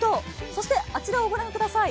そしてあちらを御覧ください。